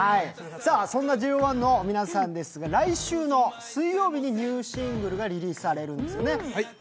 そんなＪＯ１の皆さんですが来週の水曜日にニューシングルがリリースされるんですよね。